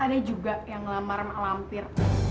ada juga yang ngelamar sama lampir